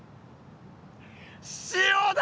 塩だ！